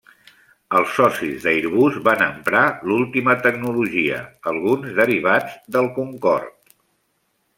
Els socis d'Airbus van emprar l'última tecnologia, alguns derivats del Concorde.